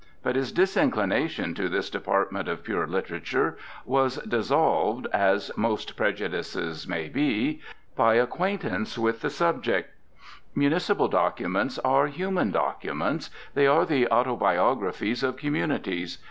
But his disinclination to this department of pure literature was dissolved, as most prejudices may be, by acquaintance with the subject. Municipal documents are human documents. They are the autobiographies of communities.